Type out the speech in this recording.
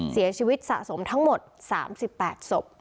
เสียชีวิตสะสมทั้งหมด๓๘ศพ